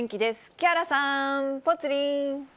木原さん、ぽつリン。